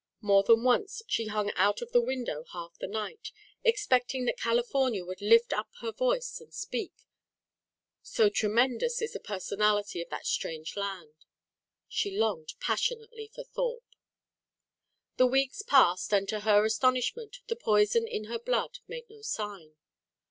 More than once she hung out of the window half the night, expecting that California would lift up her voice and speak, so tremendous is the personality of that strange land. She longed passionately for Thorpe. The weeks passed, and, to her astonishment, the poison in her blood made no sign.